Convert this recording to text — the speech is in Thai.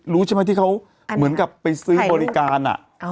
รู้ใช่ไหมที่เขาเหมือนกับไปซื้อบริการ